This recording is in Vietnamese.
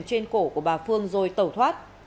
trên cổ của bà phương rồi tẩu thoát